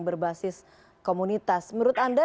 berbasis komunitas menurut anda